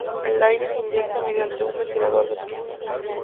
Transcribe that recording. El aire se inyectaba mediante un ventilador de pistón.